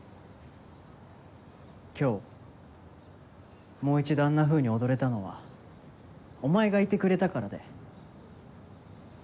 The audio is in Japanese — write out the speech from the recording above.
今日もう一度あんなふうに踊れたのはお前がいてくれたからだよ。